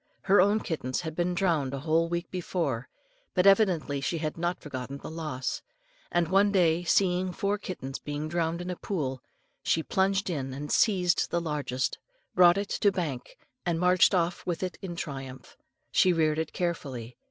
Her own kittens had been drowned a whole week before, but evidently she had not forgotten the loss; and one day, seeing four kittens being drowned in a pool, she plunged in, and seizing the largest brought it to bank, and marched off with it in triumph. She reared it carefully.